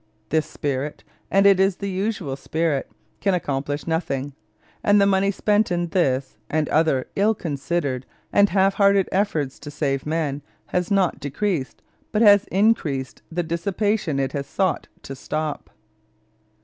This spirit and it is the usual spirit can accomplish nothing; and the money spent in this and other ill considered and half hearted efforts to save men has not decreased, but has increased, the dissipation it has sought to stop.